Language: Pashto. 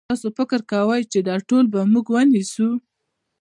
تاسو فکر کوئ چې دا ټول به موږ ونیسو؟